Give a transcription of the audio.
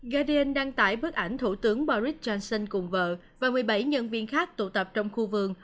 garding đăng tải bức ảnh thủ tướng boris johnson cùng vợ và một mươi bảy nhân viên khác tụ tập trong khu vườn